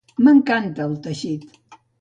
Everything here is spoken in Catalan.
M"encanta el teixit!